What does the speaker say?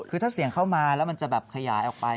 คือถ้าเสียงเข้ามาแล้วมันจะแบบขยายออกไป